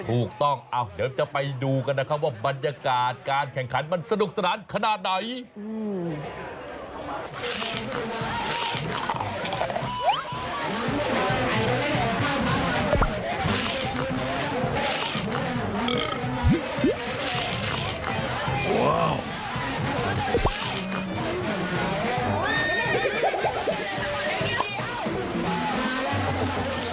ถูกต้องเดี๋ยวจะไปดูกันนะครับว่าบรรยากาศการแข่งขันมันสนุกสนานขนาดไหน